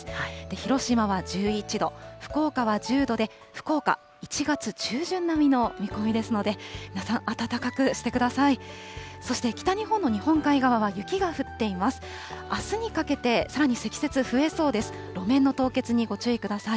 広島は１１度、福岡は１０度で福岡、１月中旬並みの見込みですので、皆さん、暖かくしてください。